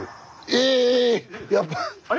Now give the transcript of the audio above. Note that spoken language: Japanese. えやっぱ。